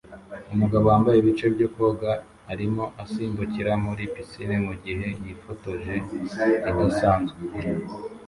Umugabo wambaye ibice byo koga arimo asimbukira muri pisine mugihe yifotoje idasanzwe